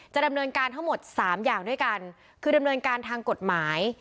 ดำเนินการทั้งหมด๓อย่างด้วยกันคือดำเนินการทางกฎหมาย